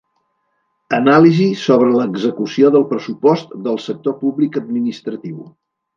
Anàlisi sobre l'execució del pressupost del sector públic administratiu.